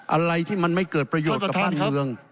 อะไรที่มันไม่เกิดประโยชน์กับบ้านเมือง